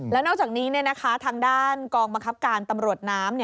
แล้วนอกจากนี้ทางด้านกองบังคับการตำรวจน้ำ